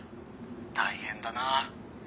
大変だな」